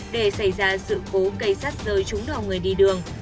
để xảy ra sự cố cây sắt rơi trúng đầu người đi đường